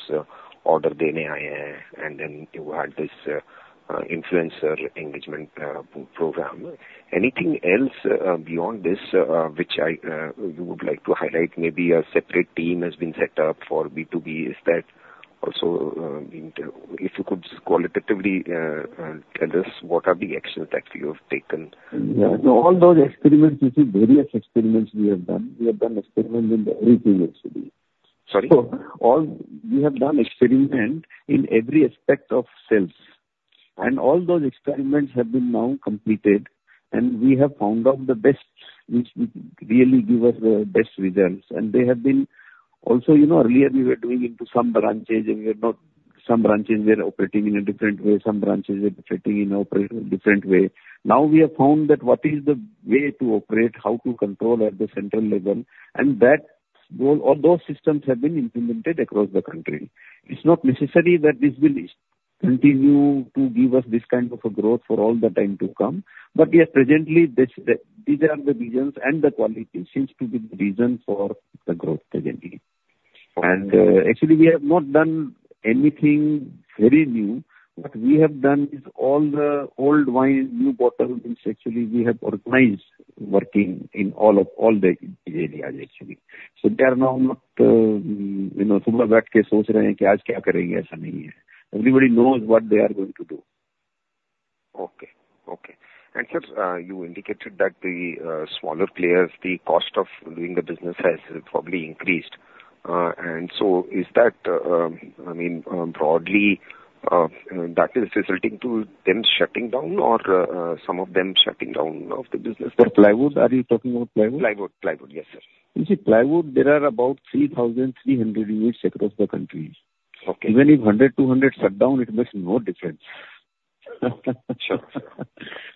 order... And then you had this, influencer engagement, pro-program. Anything else, beyond this, which I, you would like to highlight? Maybe a separate team has been set up for B2B. Is that also, if you could just qualitatively, tell us what are the actions that you have taken? Yeah. So all those experiments, you see, various experiments we have done. We have done experiment in everything actually. Sorry? All... We have done experiment in every aspect of sales, and all those experiments have been now completed, and we have found out the best, which would really give us the best results. And they have been also, you know, earlier we were doing into some branches, and we are not—some branches were operating in a different way, some branches were operating in different way. Now, we have found that what is the way to operate, how to control at the central level, and that those, all those systems have been implemented across the country. It's not necessary that this will continue to give us this kind of a growth for all the time to come, but yes, presently, this, these are the reasons, and the quality seems to be the reason for the growth presently. Actually, we have not done anything very new. What we have done is all the old wine, new bottle, which actually we have organized working in all of the areas, actually. So they are now not, you know, in. Everybody knows what they are going to do. Okay. Okay. And, sir, you indicated that the smaller players, the cost of doing the business has probably increased. And so is that, I mean, broadly, that is resulting to them shutting down or, some of them shutting down of the business? The plywood, are you talking about plywood? Plywood. Plywood, yes, sir. You see, plywood, there are about 3,300 units across the country. Okay. Even if 100, 200 shut down, it makes no difference. Sure.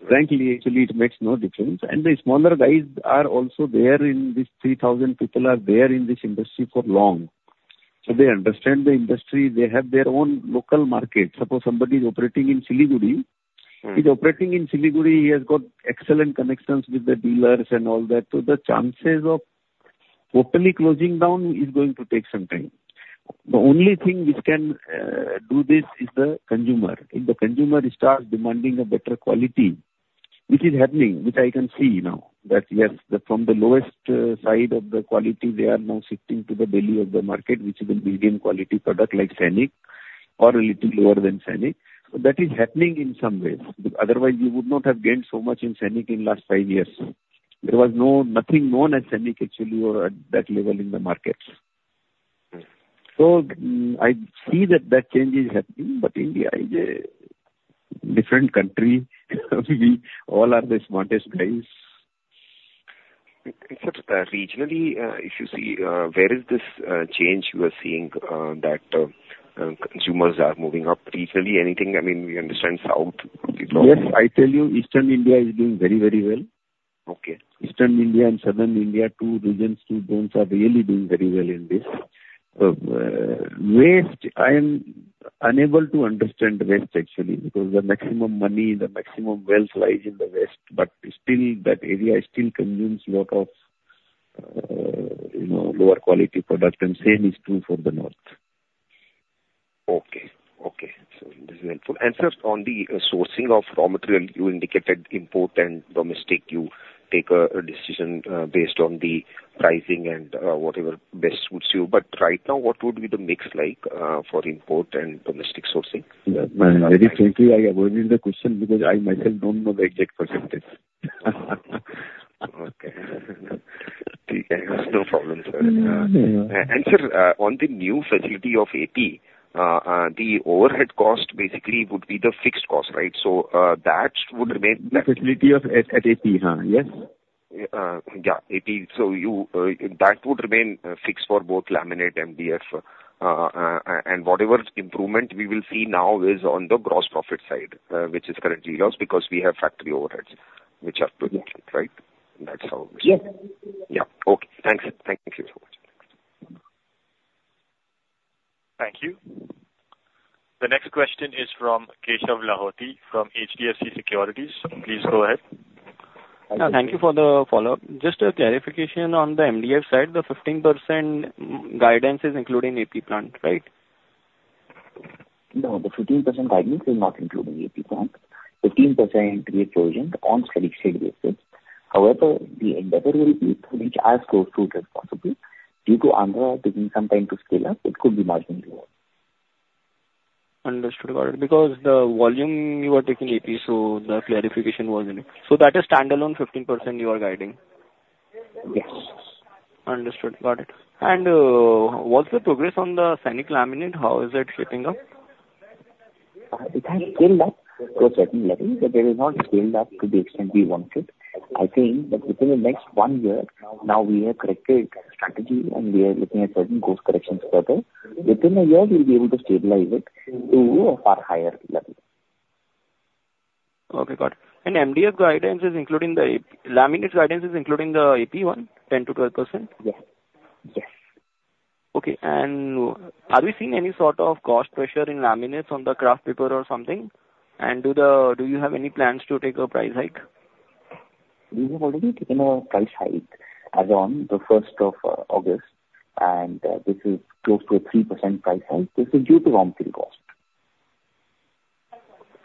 Frankly, actually, it makes no difference. The smaller guys are also there in this, 3,000 people are there in this industry for long. They understand the industry. They have their own local market. Suppose somebody is operating in Siliguri. Mm-hmm. He's operating in Siliguri, he has got excellent connections with the dealers and all that, so the chances of totally closing down is going to take some time. The only thing which can do this is the consumer. If the consumer starts demanding a better quality, which is happening, which I can see now, that, yes, the from the lowest side of the quality, they are now shifting to the value of the market, which is the medium quality product, like Sainik or a little lower than Sainik. So that is happening in some ways, otherwise we would not have gained so much in Sainik in last five years. There was no, nothing known as Sainik actually or at that level in the markets. So I see that that change is happening, but India is a different country. We all are the smartest guys. Sir, regionally, if you see, where is this change you are seeing that consumers are moving up regionally? Anything, I mean, we understand south- Yes, I tell you, Eastern India is doing very, very well. Okay. Eastern India and South India, two regions, two zones are really doing very well in this. West, I am unable to understand West actually, because the maximum money, the maximum wealth lies in the West, but still that area still consumes lot of, you know, lower quality product, and same is true for the North. Okay. Okay, so this is helpful. And, sir, on the sourcing of raw material, you indicated import and domestic, you take a decision based on the pricing and whatever best suits you. But right now, what would be the mix like for import and domestic sourcing? Yeah. Very frankly, I avoided the question because I myself don't know the exact percentage. Okay. There is no problem, sir. No, no. Sir, on the new facility of AP, the overhead cost basically would be the fixed cost, right? So, that would remain- The facility of, at AP, yes. Yeah, AP. So you, that would remain fixed for both laminate, MDF, and whatever improvement we will see now is on the gross profit side, which is currently zero because we have factory overheads, which are pretty cheap, right? That's our mission. Yes. Yeah. Okay. Thanks. Thank you so much. Thank you. The next question is from Keshav Lahoti, from HDFC Securities. Please go ahead. Thank you for the follow-up. Just a clarification on the MDF side, the 15% guidance is including AP plant, right? No, the 15% guidance is not including AP plant. 15% we have quoted on steady state basis. However, the endeavor will be to reach as close to it as possible. Due to Andhra taking some time to scale up, it could be marginally more. Understood. Got it. Because the volume you are taking AP, so the clarification was in it. So that is standalone 15% you are guiding? Yes. Understood. Got it. And, what's the progress on the Sainik laminate? How is it shaping up? It has scaled up to a certain level, but it has not scaled up to the extent we want it. I think that within the next one year, now we have corrected strategy, and we are looking at certain course corrections further. Within a year, we'll be able to stabilize it to a far higher level. Okay, got it. And MDF guidance is including the AP, laminate guidance is including the AP one, 10%-12%? Yes. Yes. Okay, and are we seeing any sort of cost pressure in laminates on the kraft paper or something? And do the, do you have any plans to take a price hike? We have already taken a price hike as on the August 1st, and this is close to a 3% price hike. This is due to raw material cost.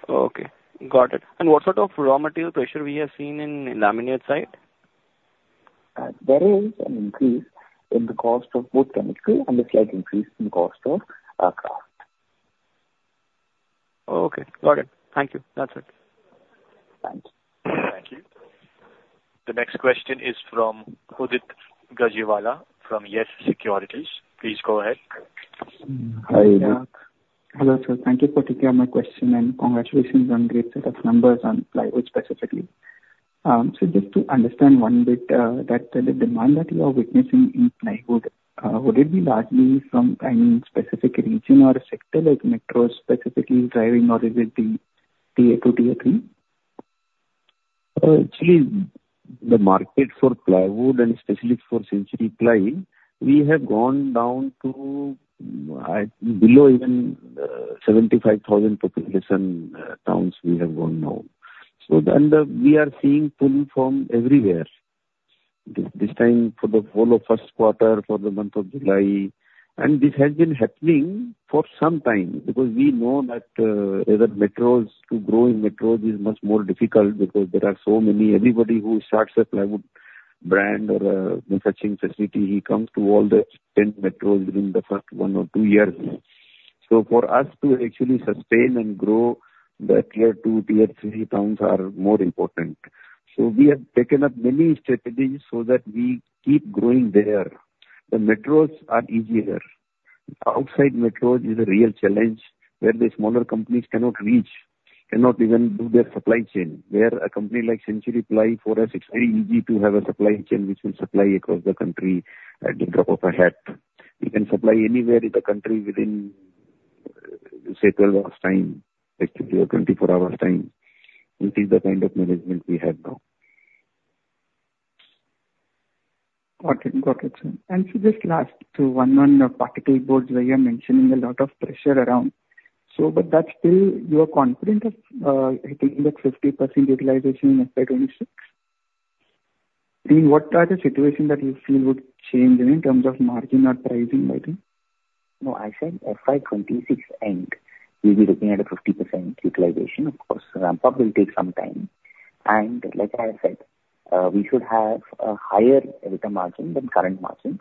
Okay, got it. What sort of raw material pressure we have seen in laminate side? There is an increase in the cost of both chemical and a slight increase in cost of kraft. Okay, got it. Thank you. That's it. Thanks. Thank you. The next question is from Udit Gajiwala from Yes Securities. Please go again. Hi, Udit. Hello, sir. Thank you for taking my question, and congratulations on great set of numbers on plywood specifically. So just to understand one bit, that the demand that you are witnessing in plywood, would it be largely from any specific region or a sector like metros specifically driving, or it would be tier II, tier III? Actually, the market for plywood and specifically for Century Ply, we have gone down to below even 75,000 population towns we have gone now. So then the... We are seeing pull from everywhere. This time for the whole of first quarter, for the month of July, and this has been happening for some time because we know that in metros, to grow in metros is much more difficult because there are so many. Everybody who starts a plywood brand or a manufacturing facility, he comes to all the 10 metros within the first 1 or 2 years. So for us to actually sustain and grow, the tier II, tier III towns are more important. So we have taken up many strategies so that we keep growing there. The metros are easier. Outside metros is a real challenge, where the smaller companies cannot reach, cannot even do their supply chain. Where a company like Century Ply, for us, it's very easy to have a supply chain which will supply across the country at the drop of a hat. We can supply anywhere in the country within, say, 12 hours' time, actually, or 24 hours' time. It is the kind of management we have now. Got it. Got it, sir. And so just last, so one, on the particle boards, I am mentioning a lot of pressure around. So but that's still, you are confident of, hitting that 50% utilization in FY 2026? In what type of situation that you feel would change any in terms of margin or pricing, I think? No, I said FY 2026 end, we'll be looking at a 50% utilization. Of course, ramp-up will take some time. And like I said, we should have a higher EBITDA margin than current margin.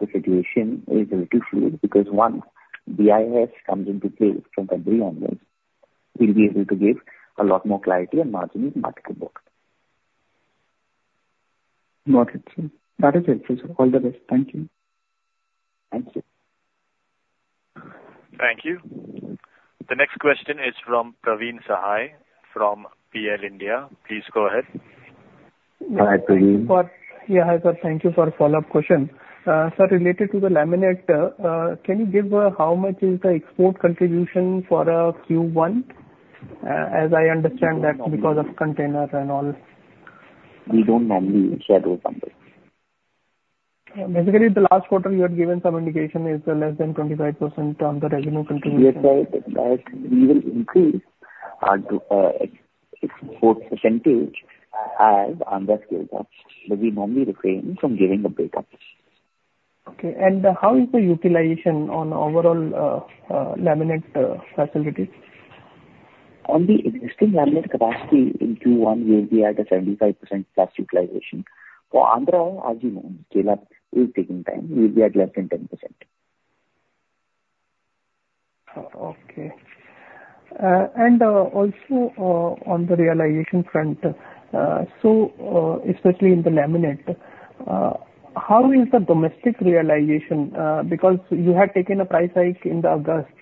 The situation is a little fluid, because one, BIS comes into play from February onwards. We'll be able to give a lot more clarity on margin in market. Got it, sir. That is helpful, sir. All the best. Thank you. Thank you. Thank you. The next question is from Praveen Sahay from PL India. Please go ahead. Hi, Praveen. Yeah, hi, sir. Thank you for follow-up question. Sir, related to the laminate, can you give how much is the export contribution for Q1? As I understand that because of container and all. We don't normally share those numbers. Basically, the last quarter you had given some indication is, less than 25% on the revenue contribution. We have said that we will increase our export percentage as Andhra scales up, but we normally refrain from giving a breakup. Okay. And how is the utilization on overall, laminate, facilities? On the existing laminate capacity in Q1, we'll be at a 75%+ utilization. For Andhra, as you know, scale-up is taking time. We'll be at less than 10%. Oh, okay. And also, on the realization front, so, especially in the laminate, how is the domestic realization? Because you had taken a price hike in August.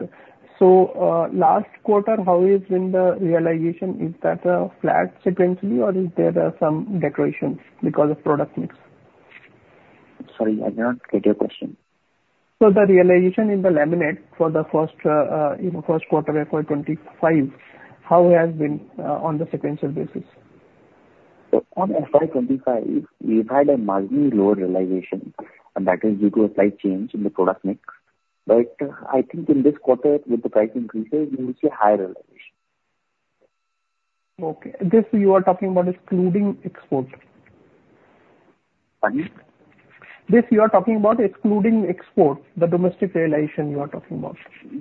So, last quarter, how is been the realization? Is that flat sequentially, or is there some deterioration because of product mix? Sorry, I did not get your question. So the realization in the laminate in the first quarter of FY 2025, how it has been on the sequential basis? On FY 2025, we've had a marginally lower realization, and that is due to a slight change in the product mix. I think in this quarter, with the price increases, we will see higher realization. Okay. This you are talking about excluding export? Pardon me? This you are talking about excluding export, the domestic realization you are talking about.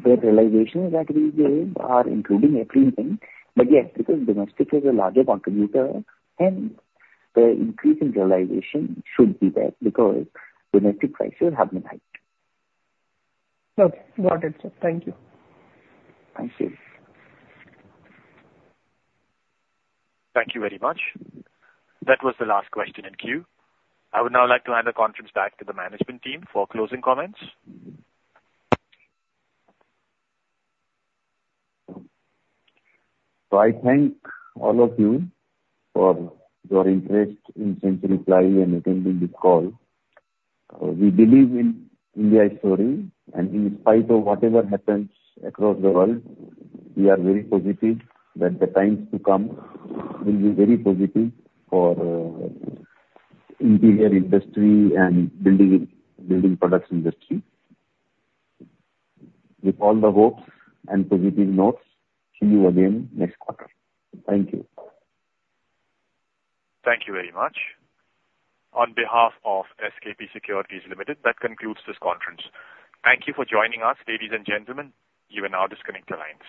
The realization that we gave are including everything. But yes, because domestic is a larger contributor, and the increase in realization should be there, because domestic prices have been hiked. Okay, got it, sir. Thank you. Thank you. Thank you very much. That was the last question in queue. I would now like to hand the conference back to the management team for closing comments. I thank all of you for your interest in Century Ply and attending this call. We believe in India's story, and in spite of whatever happens across the world, we are very positive that the times to come will be very positive for interior industry and building, building products industry. With all the hopes and positive notes, see you again next quarter. Thank you. Thank you very much. On behalf of SKP Securities Limited, that concludes this conference. Thank you for joining us, ladies and gentlemen. You are now disconnected from the line.